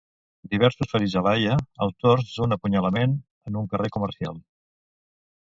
Diversos ferits a l'Haia, autors d'un apunyalament en un carrer comercial.